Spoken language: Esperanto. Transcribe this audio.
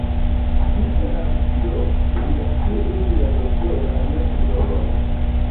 Spite al tio, li akiris la doktoran titolon.